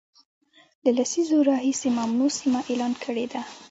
له لسیزو راهیسي ممنوع سیمه اعلان کړې ده